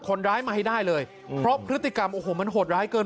คนร้ายมาให้ได้เลยเพราะพฤติกรรมโอ้โหมันโหดร้ายเกิน